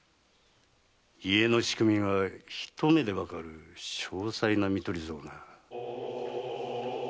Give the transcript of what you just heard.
家の仕組みが一目でわかる詳細な見取り図をな。